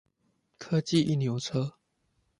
科技一牛車